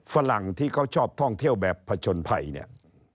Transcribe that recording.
ฝรั่งที่เขาชอบท่องเที่ยวแบบผจญภัยเนี่ย